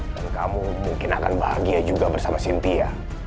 dan kamu mungkin akan bahagia juga bersama cynthia